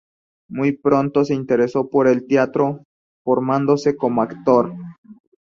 Muy pronto se interesó por el teatro, formándose como actor.